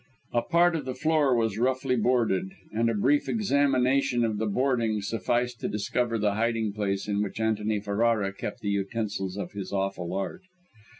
A part of the floor was roughly boarded, and a brief examination of the boarding sufficed to discover the hiding place in which Antony Ferrara kept the utensils of his awful art.